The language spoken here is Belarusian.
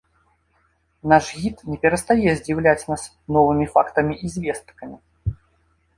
Наш гід не перастае здзіўляць нас усё новымі фактамі і звесткамі.